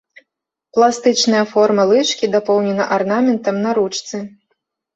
Пластычная форма лыжкі дапоўнена арнаментам на ручцы.